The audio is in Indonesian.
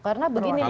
karena begini mas